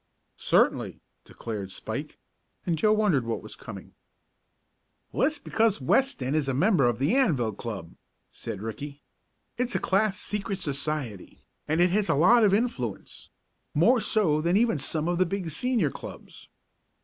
"Certainly," declared Spike, and Joe wondered what was coming. "Well, it's because Weston is a member of the Anvil Club," said Ricky. "It's a class secret society, and it has a lot of influence more so than even some of the big Senior clubs.